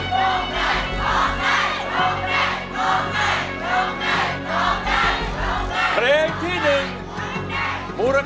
โฆ่งใจโฆ่งใจโฆ่งใจโฆ่งใจ